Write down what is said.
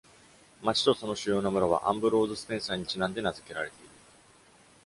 町とその主要な村は、アンブローズ・スペンサーにちなんで名づけられている。